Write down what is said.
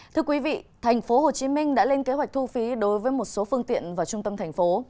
thưa quý vị thành phố hồ chí minh đã lên kế hoạch thu phí đối với một số phương tiện vào trung tâm thành phố